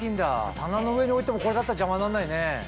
棚の上に置いてもこれだったら邪魔になんないね。